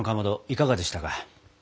いかがでしたか？